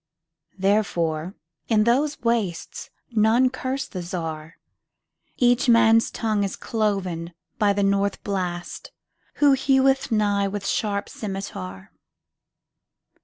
Therefore, in those wastesNone curse the Czar.Each man's tongue is cloven byThe North Blast, who heweth nighWith sharp scymitar.